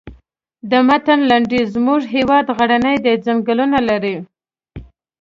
د متن لنډیز زموږ هېواد غرنی دی ځنګلونه لري.